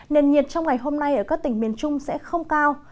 nền nhiệt trong ngày hôm nay ở các tỉnh miền trung sẽ không cao